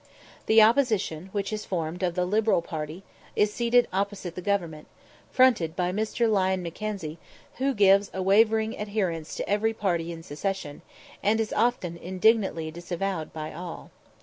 The opposition, which is formed of the Liberal party, is seated opposite the Government, fronted by Mr. Lyon Mackenzie, who gives a wavering adherence to every party in succession, and is often indignantly disavowed by all.